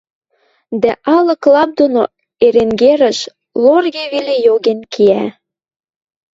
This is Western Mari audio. дӓ алык лап доно Эренгерӹш лорге веле йоген кеӓ.